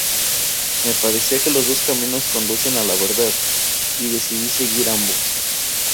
Me parecía que los dos caminos conducen a la verdad, y decidí seguir ambos.